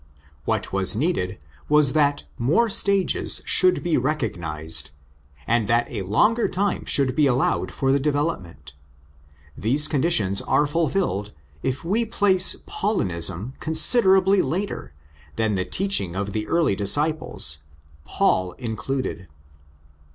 What was needed was that more stages should be recognised, and that a longer time should be allowed for the development. These conditions are fulfilled if we place '' Paulinism "' considerably later than the teaching of the early disciples, Paul included.